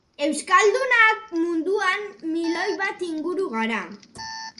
Euskaldunak munduan milioi bat inguru gara.